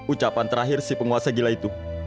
ucapan terakhir si penguasa gila itu